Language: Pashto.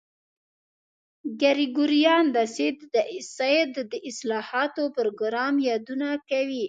ګریګوریان د سید د اصلاحاتو پروګرام یادونه کوي.